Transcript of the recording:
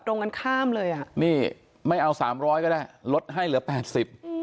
ตรงกันข้ามเลยอ่ะนี่ไม่เอาสามร้อยก็ได้ลดให้เหลือแปดสิบอืม